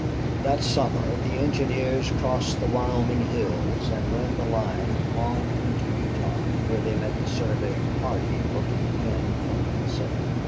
8 That summer the engineers crossed the Wyoming hills and ran the line on into Utah, where they met the surveying party working in from the Pacific.